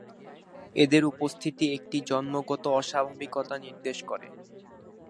এদের উপস্থিতি একটি জন্মগত অস্বাভাবিকতা নির্দেশ করে।